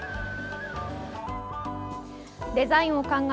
デザインを考え